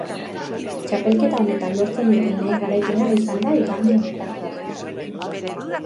Txapelketa honetan lortzen duten lehen garaipena izan da igande honetakoa.